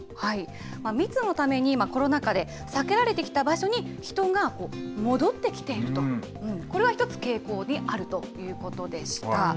密のために、コロナ禍で避けられてきた場所に、人が戻ってきていると、これは１つ、傾向にあるということでした。